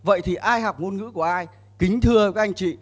ai học ngôn ngữ của ai kính thưa các anh chị